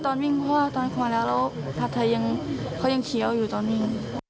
ตอนเขามาแล้วพัดไทยเขายังเคี้ยวอยู่ตอนนี้